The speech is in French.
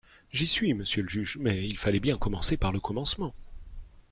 J'y suis, monsieur le juge, mais il fallait bien commencer par le commencement.